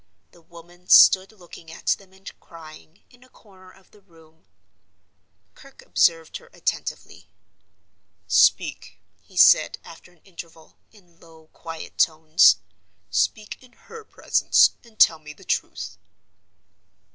The woman stood looking at them and crying, in a corner of the room. Kirke observed her attentively. "Speak," he said, after an interval, in low, quiet tones. "Speak in her presence; and tell me the truth."